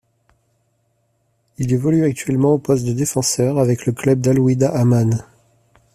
Il évolue actuellement au poste de défenseur avec le club d'Al-Weehdat Amman.